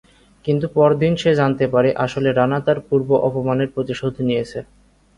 কিন্তু পরদিন সে জানতে পারে আসলে রানা তার পূর্ব অপমানের প্রতিশোধ নিয়েছে।